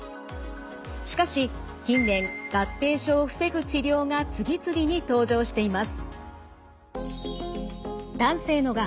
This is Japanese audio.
しかし近年合併症を防ぐ治療が次々に登場しています。